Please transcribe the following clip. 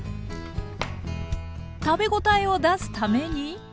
食べ応えを出すために。